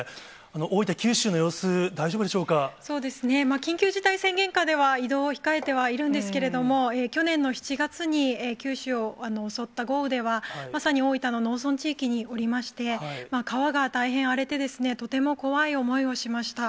大分、九州の様子、大丈夫でしょそうですね、緊急事態宣言下では、移動を控えてはいるんですけれども、去年の７月に九州を襲った豪雨では、まさに大分の農村地域におりまして、川が大変荒れて、とても怖い思いをしました。